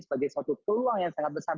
sebagai suatu peluang yang sangat besar